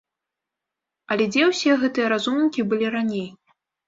Але дзе ўсе гэтыя разумнікі былі раней?